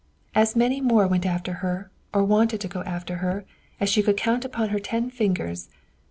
As many more went after her, or wanted to go after her, as she could count upon her ten fingers.